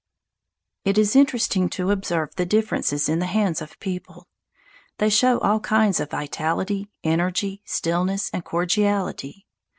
It is interesting to observe the differences in the hands of people. They show all kinds of vitality, energy, stillness, and cordiality.